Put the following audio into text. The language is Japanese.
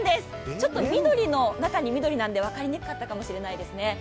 ちょっと緑の中に緑なので分かりにくかったかもしれないですね。